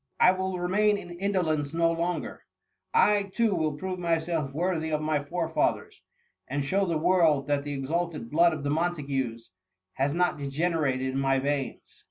I will remain in indolence no longer. I, too, will prove myself worthy of my forefathers, and show the world that the exalted blood of th6 Montagues has not degenerated in my veins